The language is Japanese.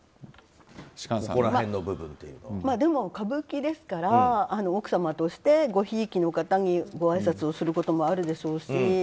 でも、歌舞伎ですから奥様としてごひいきの方にごあいさつをすることもあるでしょうし。